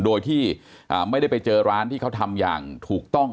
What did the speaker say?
โดยที่ไม่ได้ไปเจอร้านที่เขาทำอย่างถูกต้อง